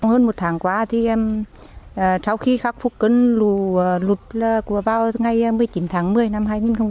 hơn một tháng qua sau khi khắc phục cơn lũ lụt vào ngày một mươi chín tháng một mươi năm hai nghìn hai mươi